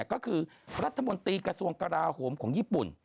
ก็คือรัฐมนตรีกระทรวงกราโหมของญี่ปุ่น